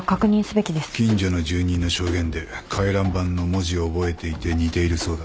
近所の住人の証言で回覧板の文字を覚えていて似ているそうだ。